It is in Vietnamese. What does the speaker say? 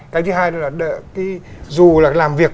cái thứ hai là dù là làm việc